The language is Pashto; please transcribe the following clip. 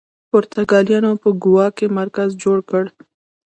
پرتګالیانو په ګوا کې مرکز جوړ کړ.